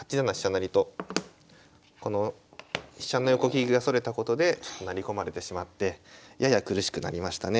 成とこの飛車の横利きがそれたことで成り込まれてしまってやや苦しくなりましたね。